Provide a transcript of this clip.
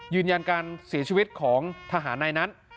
ยืนยันการเสียชีวิตของทหารในนั้น